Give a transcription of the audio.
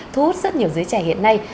thu hút rất nhiều dưới trẻ hiện nay